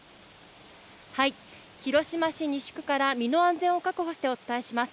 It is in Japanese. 広島市西区から、身の安全を確保してお伝えします。